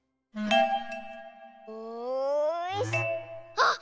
あっ！